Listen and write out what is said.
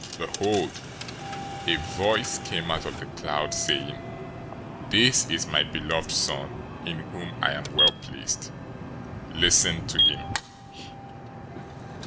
Behold, a voice came out of the cloud, saying, "This is my beloved Son, in whom I am well pleased. Listen to him."